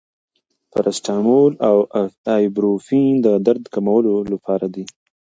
پاراسټامول او ایبوپروفین د درد کمولو لپاره دي.